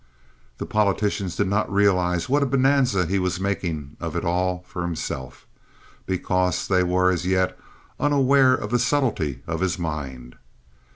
The politicians did not realize what a bonanza he was making of it all for himself, because they were as yet unaware of the subtlety of his mind.